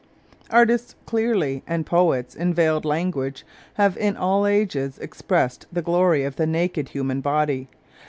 ARTISTS clearly, and poets in veiled language, have in all ages, expressed the glory of the naked human body.